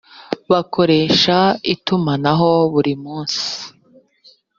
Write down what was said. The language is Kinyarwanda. bakoresha itumanaho burimunsi.